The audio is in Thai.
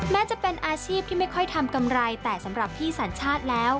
แม้จะเป็นอาชีพที่ไม่ค่อยทำกำไรแต่สำหรับพี่สัญชาติแล้ว